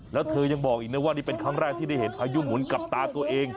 แล้วเธอยังบอกอีกนะว่านี่เป็นครั้งแรกที่ได้เห็นพายุหมุนกับตาตัวเอง